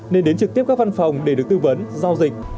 nên đến trực tiếp các văn phòng để được tư vấn giao dịch